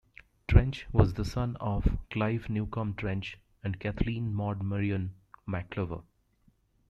Trench was the son of Clive Newcome Trench and Kathleen Maud Marion McIvor.